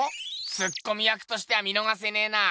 ツッコミ役としては見のがせねぇな。